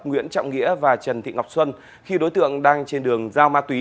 nguyễn trọng nghĩa và trần thị ngọc xuân khi đối tượng đang trên đường giao ma túy